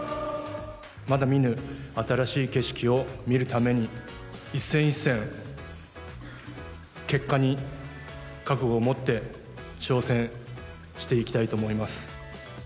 まだ見ぬ新しい景色を見るために、一戦一戦、結果に覚悟を持って、挑戦していきたいと思います。